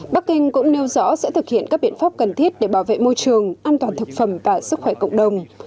bắc kinh cũng nêu rõ sẽ thực hiện các biện pháp cần thiết để bảo vệ môi trường an toàn thực phẩm và sức khỏe cộng đồng